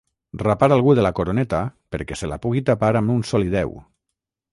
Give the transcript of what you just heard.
Rapar algú de la coroneta perquè se la pugui tapar amb un solideu.